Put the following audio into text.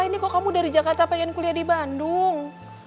ini kok kamu dari jakarta pengen kuliah di bandung